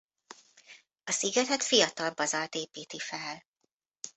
A szigetet fiatal bazalt építi fel.